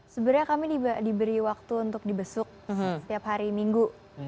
sebenarnya kami diberi waktu untuk dibesuk setiap hari minggu